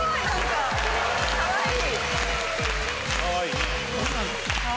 かわいい！